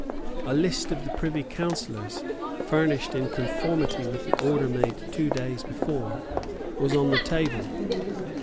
A list of the privy councillors, furnished in conformity with the order made two days before, was on the table.